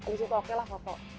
di situ oke lah foto